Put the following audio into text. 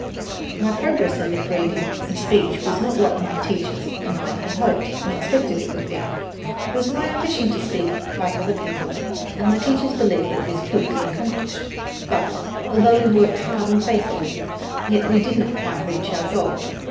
My progress in lip reading and speech was not what my teachers and I had hoped and expected it would be. It was my ambition to speak like other people, and my teachers believed that this could be accomplished; but, although we worked hard and faithfully, yet we did not quite reach our goal.